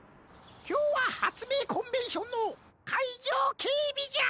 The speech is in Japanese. きょうははつめいコンベンションのかいじょうけいびじゃ！